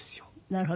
なるほど。